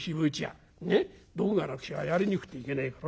ねっ道具がなくちゃやりにくくていけねえからな。